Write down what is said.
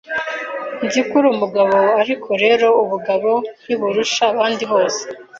Nzi ko uri umugabo ariko rero ubugabo ntuburusha abandi bose